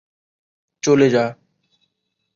চলে যা!